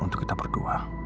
untuk kita berdua